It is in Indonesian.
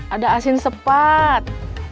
ada asin sepat